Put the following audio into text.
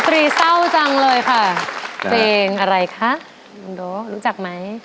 ตรีเศร้าจังเลยค่ะเพลงอะไรคะลุงโดรู้จักไหม